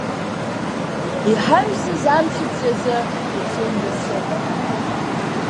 Иҳаҩсыз амчыбжь азы Пицунда сыҟан.